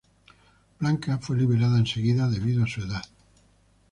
Blanca fue liberada enseguida debido a su edad.